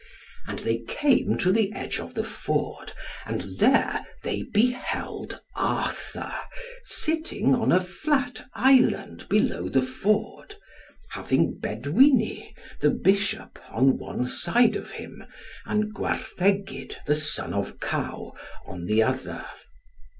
And they came to the edge of the ford, and there they beheld Arthur sitting on a flat island below the ford, having Bedwini the Bishop on one side of him, and Gwarthegyd the son of Kaw on the other.